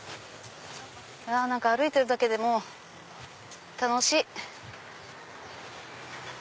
何か歩いてるだけでも楽しい！